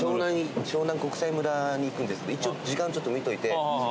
湘南国際村に行くんですけど一応時間ちょっと見といて。